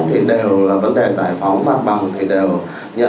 thì làm sao mà đấu được